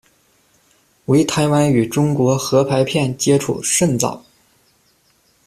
为台湾与中国合拍片接触甚早。